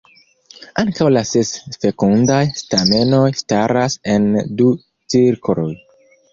Ankaŭ la ses fekundaj stamenoj staras en du cirkloj.